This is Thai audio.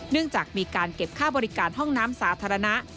จากมีการเก็บค่าบริการห้องน้ำสาธารณะ